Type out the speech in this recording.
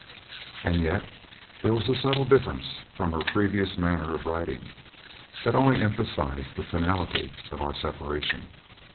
And yet there was a subtle difference from her previous manner of writing that only emphasised the finality of our separation.